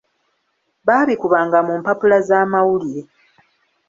Baabikubanga mu mpapula z'amawulire.